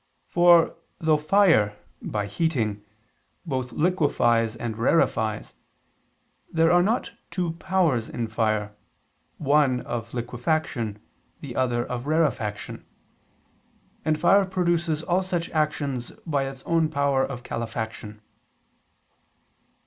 For, though fire by heating, both liquefies and rarefies, there are not two powers in fire, one of liquefaction, the other of rarefaction: and fire produces all such actions by its own power of calefaction.